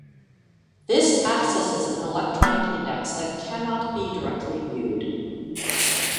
This accesses an electronic index that cannot be directly viewed.